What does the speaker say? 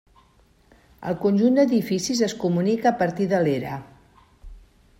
El conjunt d'edificis es comunica a partir de l'era.